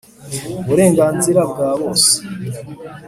uburenganzira bwa bose